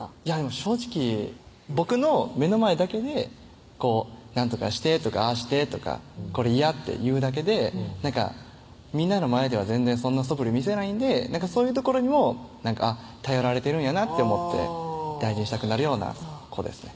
正直僕の目の前だけで「何とかして」とか「ああして」とか「これ嫌」って言うだけでみんなの前では全然そんなそぶり見せないんでそういうところにも頼られてるんやなって思って大事にしたくなるような子ですね